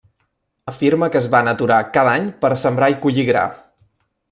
Afirma que es van aturar cada any per sembrar i collir gra.